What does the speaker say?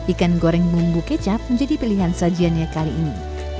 ikan goreng bumbu kecap menjadi pilihan sajiannya kali ini